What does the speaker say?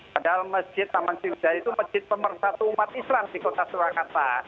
padahal masjid taman siujah itu masjid pemersatu umat islam di kota surakarta